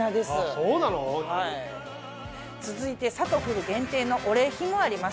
そうなの⁉続いて「さとふる」限定のお礼品もあります。